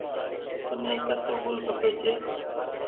تني ڪسو گل کپي ڇي۔